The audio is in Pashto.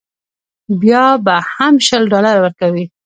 بیا به هم شل ډالره ورکوې.